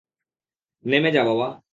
নেমে যা বাবা।